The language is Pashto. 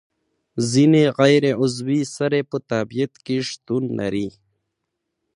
ځینې غیر عضوي سرې په طبیعت کې شتون لري.